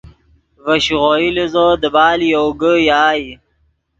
ڤے شیغوئی لیزو دیبال یوگے یائے